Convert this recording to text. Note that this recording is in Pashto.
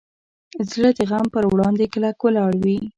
زړه د غم پر وړاندې کلک ولاړ وي.